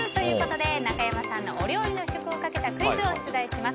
中山さんのお料理の試食をかけたクイズを出題します。